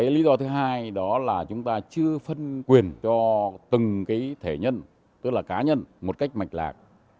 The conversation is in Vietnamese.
lý do thứ hai đó là chúng ta chưa phân quyền cho từng thể nhân tức là cá nhân một cách mạch lạc